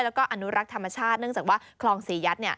แล้วก็อนุรักษ์ธรรมชาติเนื่องจากว่าคลองศรียัตน์